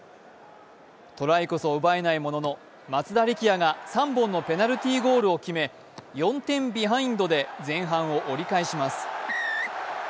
トライこそ奪えないものの松田力也が３本のペナルティーゴールを決め、４点ビハインドで前半を折り返します。